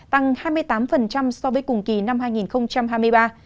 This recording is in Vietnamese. tăng hai mươi tám so với cùng kỳ năm hai nghìn hai mươi ba